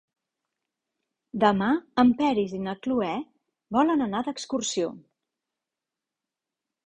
Demà en Peris i na Cloè volen anar d'excursió.